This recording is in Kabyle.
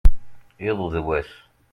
iḍ d wass